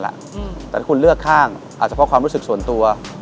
แต่ถ้าคุณเลือกข้างอาจจะเพราะความรู้สึกส่วนตัว